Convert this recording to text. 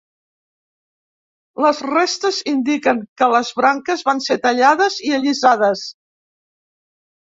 Les restes indiquen que les branques van ser tallades i allisades.